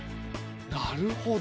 なるほど！